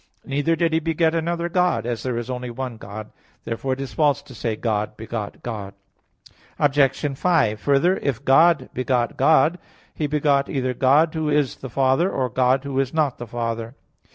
Neither did He beget another God; as there is only one God. Therefore it is false to say, "God begot God." Obj. 5: Further, if "God begot God," He begot either God who is the Father, or God who is not the Father.